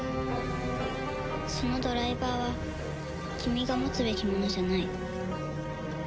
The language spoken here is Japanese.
そのドライバーは君が持つべきものじゃない。